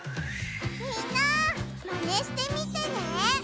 みんなマネしてみてね！